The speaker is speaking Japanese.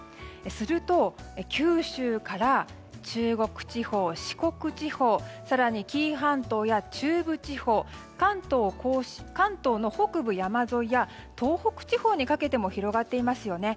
すると、九州から中国地方四国地方更に、紀伊半島や中部地方関東の北部山沿いや東北地方にかけても広がっていますよね。